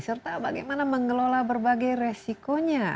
serta bagaimana mengelola berbagai resikonya